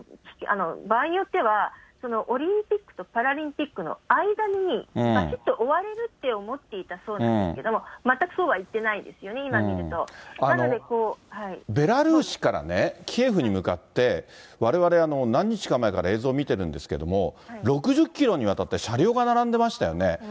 場合によっては、そのオリンピックとパラリンピックの間にばしっと終われるって思っていたそうなんですけれども、全くそうはいってないですよね、ベラルーシからね、キエフに向かって、われわれ、何日か前から映像見てるんですけれども、６０キロにわたって車両が並んでいましたよね。